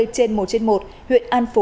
trên một trên một huyện an phú